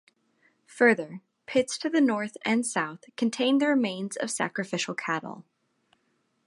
Further pits to the north and south contain the remains of sacrificial cattle.